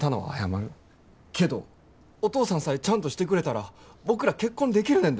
けどお父さんさえちゃんとしてくれたら僕ら結婚できるねんで。